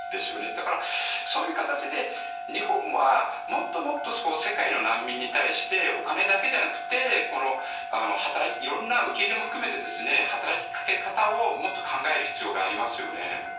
だから、そういう形で日本はもっともっと世界の難民に対してお金だけじゃなくて受け入れも含めて、働きかけ方をもっと考える必要がありますよね。